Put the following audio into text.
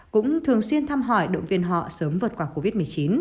cũng thường xuyên thăm hỏi động viên họ sớm vượt qua covid một mươi chín